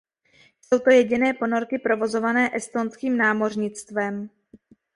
Jsou to jediné ponorky provozované estonským námořnictvem.